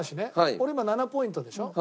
俺今７ポイントでしょ？